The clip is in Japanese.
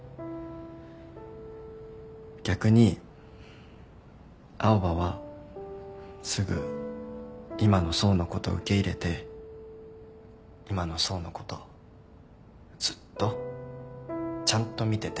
逆に青羽はすぐ今の想のこと受け入れて今の想のことずっとちゃんと見てて。